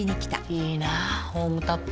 いいなホームタップ。